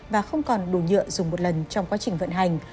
và không còn đủ nhựa dùng một lần trong quá trình vận hành